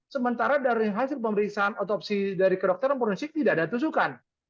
sementara dari hasil pemeriksaan otopsi dari kedokteran forensik tidak ada tusukan